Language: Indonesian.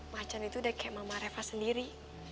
macan itu udah kayak mama reva sendiri